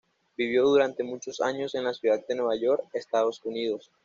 Vivió durante muchos años en la ciudad de Nueva York, Estados Unidos.